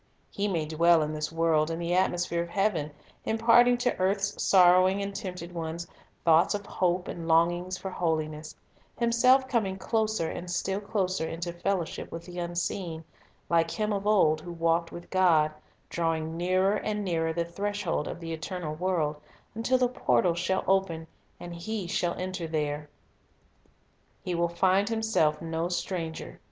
He may dwell in this world in the atmosphere of heaven, imparting to earth's sorrowing and tempted ones thoughts of hope and longings for holiness; himself coming closer and still closer into fellowship with the Unseen ; like him of old who walked with God, drawing nearer and nearer the threshold of the eternal world, until the portals shall open, and he shall enter there. He will find himself no stranger.